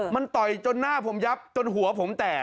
มันต่อยจนหน้าผมยับจนหัวผมแตก